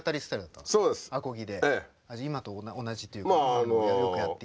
今と同じというか今でもよくやってる。